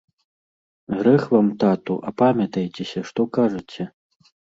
Грэх вам, тату, апамятайцеся, што кажаце.